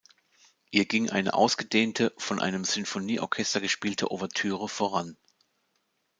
Ihr ging eine ausgedehnte, von einem Sinfonieorchester gespielte Ouvertüre voran.